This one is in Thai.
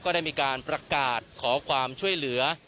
ได้มีการประกาศขอความช่วยเหลือ